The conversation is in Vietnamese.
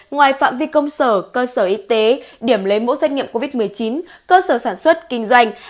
ngoài phạm vi công sở cơ sở y tế điểm lấy mẫu xét nghiệm covid một mươi chín cơ sở sản xuất kinh doanh